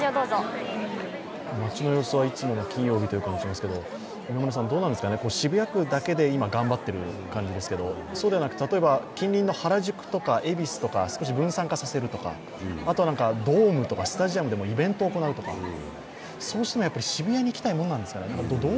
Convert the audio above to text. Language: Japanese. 街の様子はいつもの金曜日という感じですけど渋谷区だけで今頑張っている感じですけどそうではなく例えば近隣の原宿とか恵比寿とか少し分散化させるとか、あとはドームとかスタジアムでイベントを行うとか、それでも渋谷に来たいものですかね？